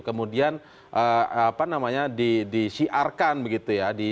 kemudian apa namanya disiarkan begitu ya